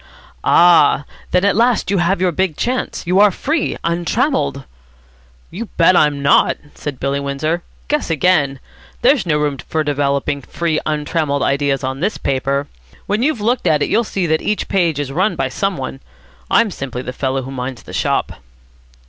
"Ah! then at last you have your big chance. You are free, untrammelled." "You bet I'm not," said Billy Windsor. "Guess again. There's no room for developing free untrammelled ideas on this paper. When you've looked at it, you'll see that each page is run by some one. I'm simply the fellow who minds the shop."